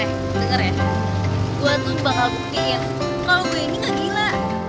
eh dengar ya gua tuh bakal buktiin kalau gue ini gak gila